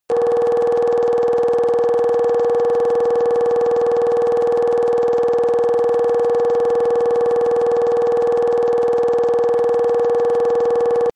Арати, а хъыджэбзым и анэ дэлъхум и къуэу къыщӀэкӀа Мэжид зэуэ зыкъызэкъуипхъуэтри къызэупщӀащ.